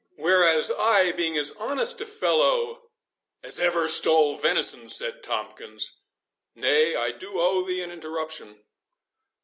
—Whereas, I being as honest a fellow"— "As ever stole venison," said Tomkins—"nay, I do owe thee an interruption."